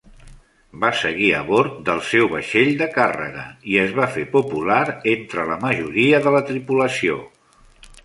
Va seguir a bord del seu vaixell de càrrega i es va fer popular entre la majoria de la tripulació.